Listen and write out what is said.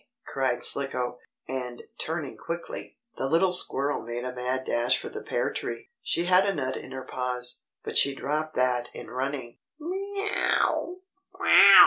cried Slicko, and, turning quickly, the little squirrel made a mad dash for the pear tree. She had a nut in her paws, but she dropped that in running. "Meaouw! Wow!"